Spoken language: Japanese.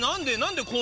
何で？